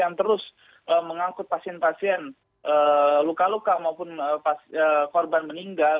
yang terus mengangkut pasien pasien luka luka maupun korban meninggal